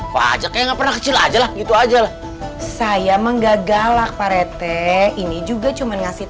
wajar kayak nggak pernah kecil ajalah gitu aja lah saya menggagalak parete ini juga cuman ngasih